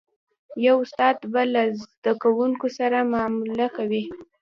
یو استاد به له زده کوونکو سره معامله کوي.